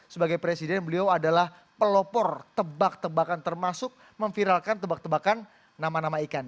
sebagai presiden beliau adalah pelopor tebak tebakan termasuk memviralkan tebak tebakan nama nama ikan